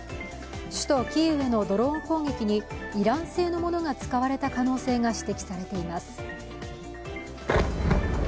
首都キーウへのドローン攻撃にイラン製のものが使われた可能性が指摘されています。